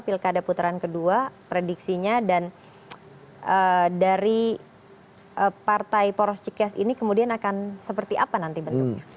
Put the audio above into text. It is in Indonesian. pilkada putaran kedua prediksinya dan dari partai poros cikeas ini kemudian akan seperti apa nanti bentuknya